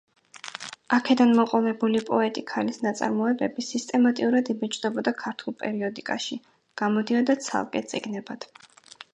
აქედან მოყოლებული პოეტი ქალის ნაწარმოებები სისტემატურად იბეჭდებოდა ქართულ პერიოდიკაში, გამოდიოდა ცალკე წიგნებად.